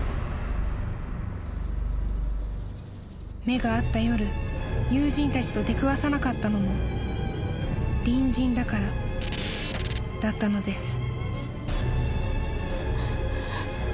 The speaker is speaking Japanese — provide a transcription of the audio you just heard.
［目が合った夜友人たちと出くわさなかったのも隣人だからだったのです］